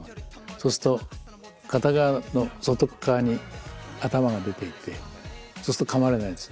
そうすると片側の外側に頭が出ていてそうするとかまれないんですね。